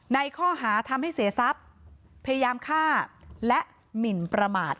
ในข้อหาทำให้เสียทรัพย์พยายามฆ่าและหมินประมาท